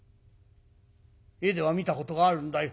絵では見たことがあるんだよ。